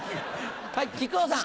はい木久扇さん。